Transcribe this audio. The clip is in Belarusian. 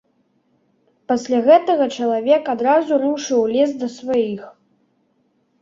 Пасля гэтага чалавек адразу рушыў у лес да сваіх.